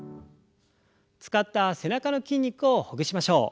使った背中の筋肉をほぐしましょう。